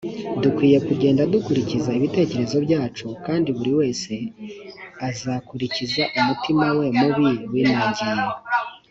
dukwiye kugenda dukurikiza ibitekerezo byacu kandi buri wese azakurikiza umutima we mubi winangiye